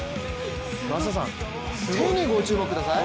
松田さん、手にご注目ください。